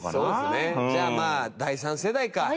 じゃあまあ第３世代か。